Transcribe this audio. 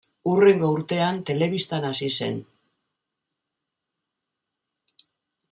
Hurrengo urtean telebistan hasi zen.